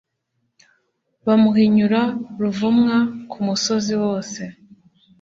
Bamuhinyura ruvumwa kumusozi wose